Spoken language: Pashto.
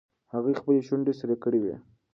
هغې خپلې شونډې سرې کړې وې.